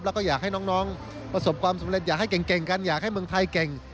แล้วก็อยากให้น้องประสบความสำเร็จอยากให้เก่งกันอยากให้เมืองไทยเก่ง